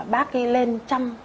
bác ấy lên chăm